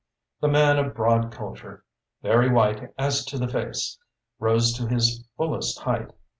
The man of broad culture, very white as to the face, rose to his fullest height.